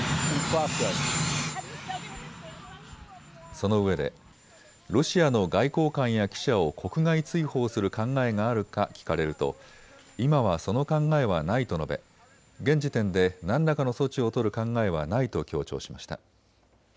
そのうえでロシアの外交官や記者を国外追放する考えがあるか聞かれると今はその考えはないと述べ現時点で何らかの措置を取る考えはないと強調しました。